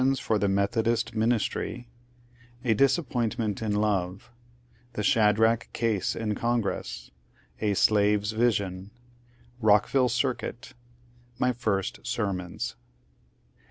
for the Methodist ministry — A dis^ypointment in Iotc — The Shadrach case in Congress — A slave's visbn — Rookville cironit — My first sermons.